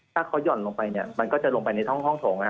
ถ้าเขาห่อนลงไปเนี่ยมันก็จะลงไปในท่องห้องโถง